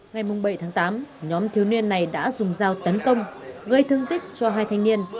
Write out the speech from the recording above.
ngày bảy tám nhóm thiếu niên này đã dùng sao tấn công gây thương tích cho hai thanh niên